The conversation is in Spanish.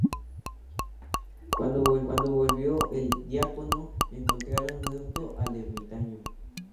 Cuando volvió el diácono encontraron muerto al ermitaño.